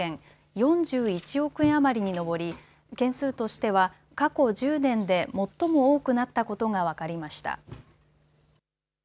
４１億円余りに上り件数としては過去１０年で最も多くなったことが分かりました。